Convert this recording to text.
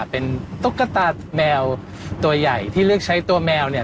เป็นตุ๊กตาแมวตัวใหญ่ที่เลือกใช้ตัวแมวเนี่ย